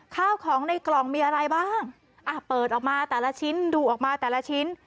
ข้าวของในกล่องมีอะไรบ้างอ่ะเปิดออกมาแต่ละชิ้นดูออกมาแต่ละชิ้น